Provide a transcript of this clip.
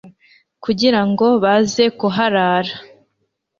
kugira ngo baze kuharara